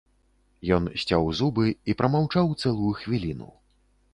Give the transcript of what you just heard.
Ён сцяў зубы і прамаўчаў цэлую хвіліну.